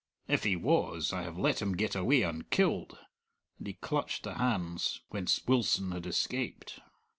"If he was, I have let him get away unkilled," and he clutched the hands whence Wilson had escaped.